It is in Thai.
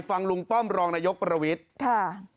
ลุงป้อมรองนายกประวิทย์ค่ะ